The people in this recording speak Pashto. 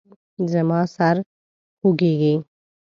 زما سر خوږیږي